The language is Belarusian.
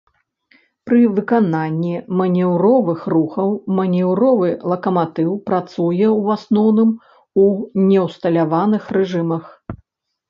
Пры выкананні манеўровых рухаў манеўровы лакаматыў працуе ў асноўным у неўсталяваных рэжымах.